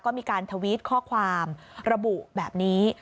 ก็มีการทวิตข้อความระบุแบบนี้